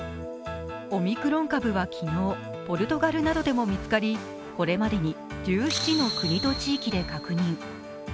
オミクロン株は昨日、ポルトガルなどでも見つかり、これまでに１７の国と地域で確認。